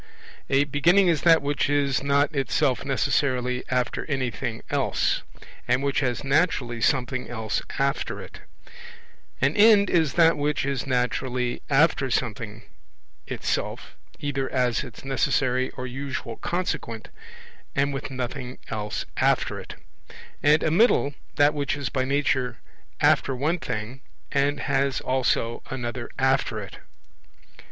A beginning is that which is not itself necessarily after anything else, and which has naturally something else after it; an end is that which is naturally after something itself, either as its necessary or usual consequent, and with nothing else after it; and a middle, that which is by nature after one thing and has also another after it.